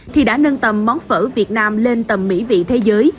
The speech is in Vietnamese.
thì đã nâng tầm món phở việt nam lên tầm mỹ vị thế giới